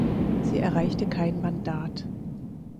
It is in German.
Sie erreichte kein Mandat.